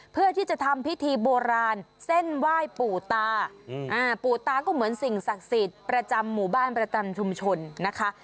เพื่อที่จะทำพิธีโบราณเส้นไหว้ปู่ตาปู่ตาก็เหมือนสิ่งศักดิ์สิทธิ์ประจำหมู่บ้านประจำชุมชนนะคะ